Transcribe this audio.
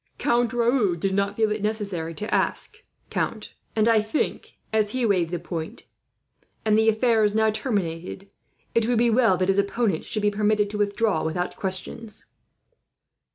"Count Raoul did not feel it necessary to ask, count; and I think, as he waived the point, and the affair is now terminated, it would be well that his opponent should be permitted to withdraw without questions."